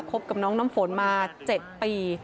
บกับน้องน้ำฝนมา๗ปี